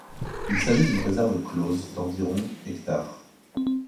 Il s'agit d'une réserve close d'environ hectares.